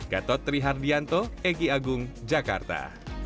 gatot trihardianto egy agung jakarta